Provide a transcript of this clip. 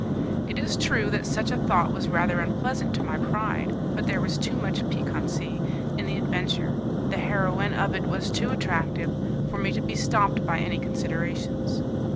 It is true that such a thought was rather unpleasant to my pride, but there was too much piquancy in the adventure, the heroine of it was too attractive, for me to be stopped by any considerations.